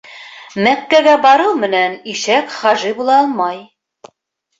Мәккәгә барыу менән ишәк хажи була алмай.